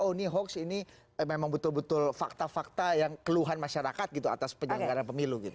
oh ini hoax ini memang betul betul fakta fakta yang keluhan masyarakat gitu atas penyelenggaraan pemilu gitu